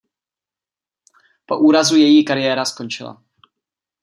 Po úrazu její kariéra skončila.